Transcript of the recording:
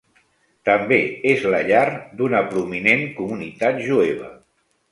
També és la llar d'una prominent comunitat jueva.